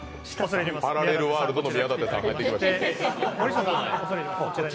パラレルワールドの宮舘さん帰ってきました。